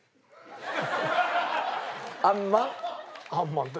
あんまん？